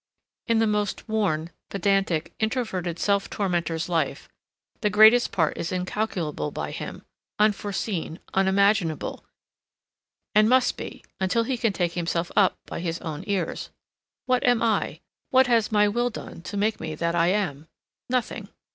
In the most worn, pedantic, introverted self tormenter's life, the greatest part is incalculable by him, unforeseen, unimaginable, and must be, until he can take himself up by his own ears. What am I? What has my will done to make me that I am? Nothing.